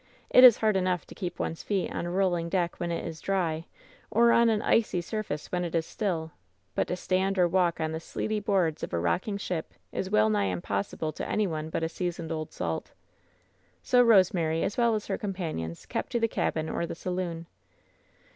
It is hard enough to keep one's feet on a rolling deck when it is dry, or on an icj surface when it is still ; but to stand or walk on the sleety boards of a rocking ship is well nigh impossible to any one but a seasoned old salt So Kosemary, as well as her companions, kept the cabin or the saloon.